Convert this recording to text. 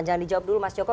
jangan dijawab dulu mas joko